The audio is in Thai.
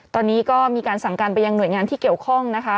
ตอนนี้ก็มีการสั่งการไปยังหน่วยงานที่เกี่ยวข้องนะคะ